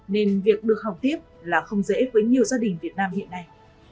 nên việc được học tiếp là không dễ với nhiều gia đình việt nam hiện nay